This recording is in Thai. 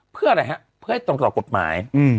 เพื่ออะไรฮะเพื่อให้ตรงต่อกฎหมาย